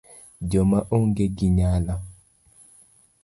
jo ma onge gi nyalo